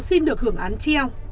xin được hưởng án treo